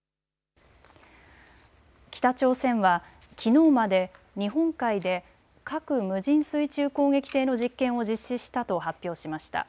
北朝鮮はきのうまで日本海で核無人水中攻撃艇の実験を実施したと発表しました。